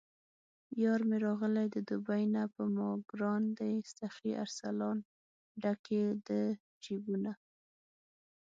یارمې راغلی د دوبۍ نه په ماګران دی سخي ارسلان، ډک یې د جېبونه